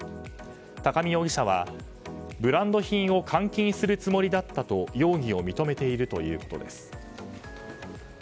高見容疑者は、ブランド品を換金するつもりだったと容疑を認めているということです。